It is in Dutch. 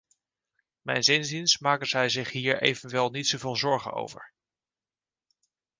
Mijns inziens maken zij zich hier evenwel niet zo veel zorgen over.